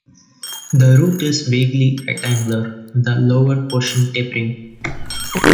The root is vaguely rectangular, with the lower portion tapering.